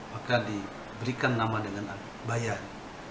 maka diberikan nama dengan al bayan